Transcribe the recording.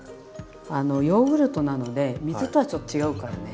あのヨーグルトなので水とはちょっと違うからね。